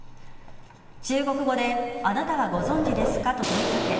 中国語であなたはご存じですかと問い掛け